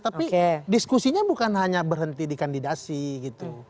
tapi diskusinya bukan hanya berhenti di kandidasi gitu